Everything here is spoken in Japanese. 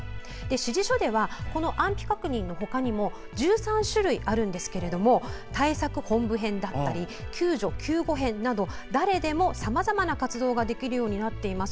指示書では安否確認のほかにも１３種類あるんですけど対策本部編、救助救護編など誰でもさまざまな活動ができるようになっています。